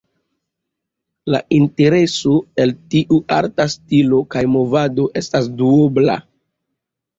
La intereso el tiu arta stilo kaj movado estas duobla.